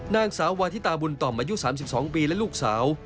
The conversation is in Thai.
นางสาววาทิตาบุญต่อมอายุ๓๒ปีและลูกสาว